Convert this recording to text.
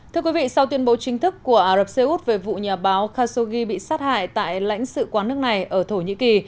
thưa quý vị sau tuyên bố chính thức của ả rập xê út về vụ nhà báo khashoggi bị sát hại tại lãnh sự quán nước này ở thổ nhĩ kỳ